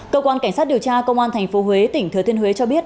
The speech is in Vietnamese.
cơ quan cảnh sát điều tra công an tp huế tỉnh thừa thiên huế cho biết